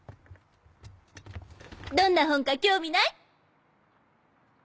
どんな本か興味ない？